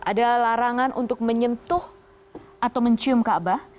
ada larangan untuk menyentuh atau mencium kaabah